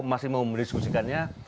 masih mau meriskusikannya